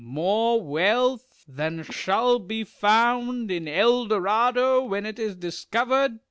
More wealth than shall be found in El Dorado, when it is discovered